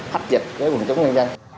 hách dịch với quần chúng nhân dân